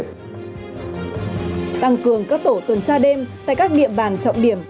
tăng cường các tổ tuần tra đêm tại các địa bàn trọng điểm